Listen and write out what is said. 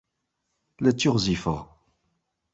La ttiɣzifeɣ!